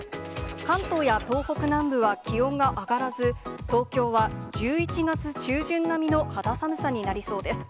関東や東北南部は気温が上がらず、東京は１１月中旬並みの肌寒さになりそうです。